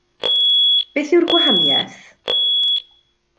Beth yw'r gwahaniaeth?